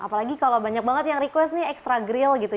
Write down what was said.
apalagi kalau banyak banget yang request nih extra grill gitu